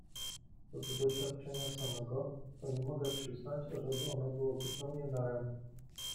"Co do doświadczenia samego, to nie mogę przyznać, ażeby ono było zupełnie daremnem."